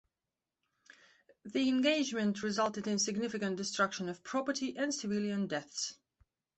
The engagement resulted in significant destruction of property and civilian deaths.